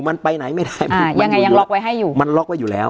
มันไปไหนไม่ได้ยังไงยังล็อกไว้ให้อยู่มันล็อกไว้อยู่แล้ว